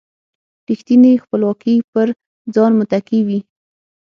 رېښتینې خپلواکي پر ځان متکي وي.